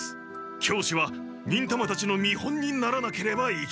教師は忍たまたちの見本にならなければいけない。